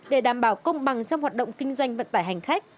để đảm bảo công bằng trong hoạt động kinh doanh vận tải hành khách